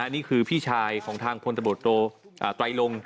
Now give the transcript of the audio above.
นี่คือพี่ชายของทางพลตะโบสถ์โตไตรง